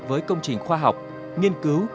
với công trình khoa học nghiên cứu